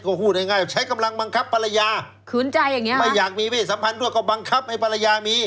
ก็พูดง่ายใช้กำลังบังคับภรรยาไม่อยากมีเพศสัมพันธ์ด้วยก็บังคับให้ภรรยามี